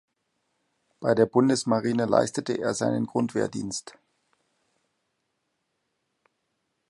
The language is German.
Bei der Bundesmarine leistete er seinen Grundwehrdienst.